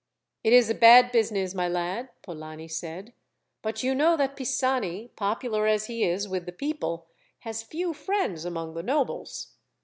"It is a bad business, my lad," Polani said; "but you know that Pisani, popular as he is with the people, has few friends among the nobles.